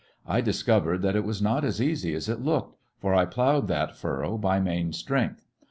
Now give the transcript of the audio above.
I discovered that it was not as easy as it looked, for I ploughed that furrow by main strength.